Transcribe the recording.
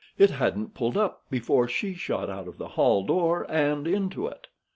It hadn't pulled up before she shot out of the hall door and into it.